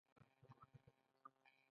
ایا زه باید په یوه ډډه ویده شم؟